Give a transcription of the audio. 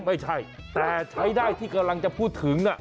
ไม่ใช่แต่ใช้ได้ที่กำลังจะพูดถึง